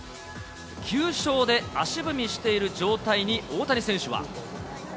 ９勝で足踏みしている状態に、大谷選手は。